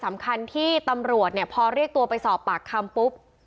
สำคัญที่ตำรวจเนี่ยพอเรียกตัวไปสอบปากคำปุ๊บ